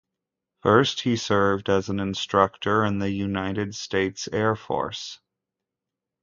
First, he served as an instructor in the United States Air Force.